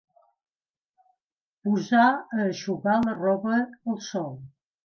Posar a eixugar la roba al sol.